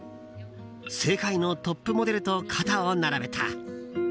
世界のトップモデルと肩を並べた。